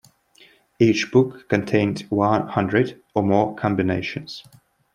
Each book contained one hundred or more combinations.